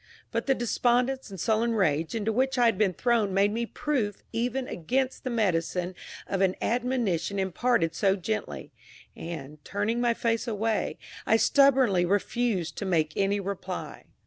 But the despondence and sullen rage into which I had been thrown made me proof even against the medicine of an admonition imparted so gently, and, turning my face away, I stubbornly refused to make any reply.